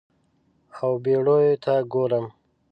او بیړیو ته ګورم